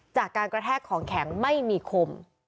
จากการกระแทกของแข็งไม่มีคม